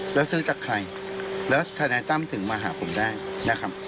แล้วซื้อจากใครแล้วทนายตั้มถึงมาหาผมได้นะครับ